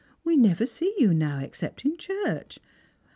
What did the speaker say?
We never set "^ou now, except in church.